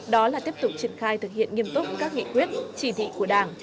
đó là tiếp tục triển khai thực hiện nghiêm túc các nghị quyết chỉ thị của đảng